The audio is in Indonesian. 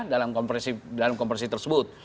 dalam konversi tersebut